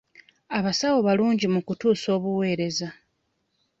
Abasawo balungi mu kutuusa obuweereza.